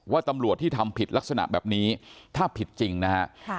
ตำรวจที่ทำผิดลักษณะแบบนี้ถ้าผิดจริงนะฮะ